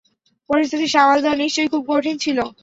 পরিস্থিতি সামাল দেয়া নিশ্চয় খুব কঠিন ছিল।